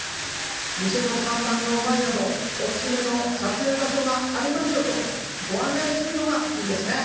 店の看板の前など「おすすめの撮影場所がありますよ」とご案内するのがいいですね。